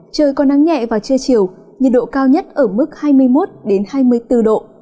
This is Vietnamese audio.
trời còn nắng nhẹ và chưa chiều nhiệt độ cao nhất ở mức hai mươi một hai mươi bốn độ